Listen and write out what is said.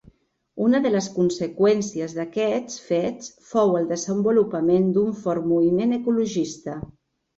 Una de les conseqüències d’aquests fets fou el desenvolupament d’un fort moviment ecologista.